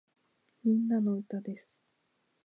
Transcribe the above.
みんなの歌です